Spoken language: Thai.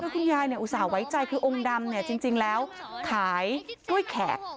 คุณยายอุตส่าห์ไว้ใจคือองค์ดำจริงแล้วขายกล้วยแขก